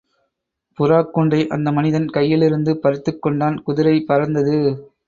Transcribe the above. புறாக்கூண்டை அந்த மனிதன் கையிலிருந்து பறித்துக் கொண்டான், குதிரை பறந்தது.